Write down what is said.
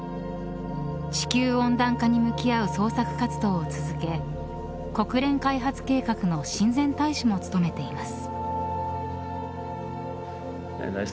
地球温暖化に向き合う創作活動を続け国連開発計画の親善大使も務めています。